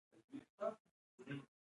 زه هره ورځ موبایل چارجوم.